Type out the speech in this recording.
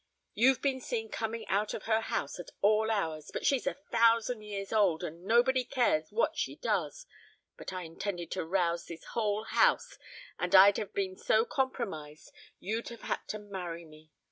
You've been seen coming out of her house at all hours, but she's a thousand years old and nobody cares what she does, but I intended to rouse this whole house and I'd have been so compromised you'd have had to marry me.